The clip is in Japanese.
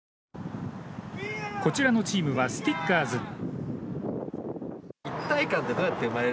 こちらのチームはスティッカーズ。